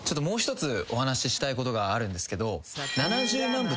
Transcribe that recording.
もう一つお話ししたいことがあるんですけど７０万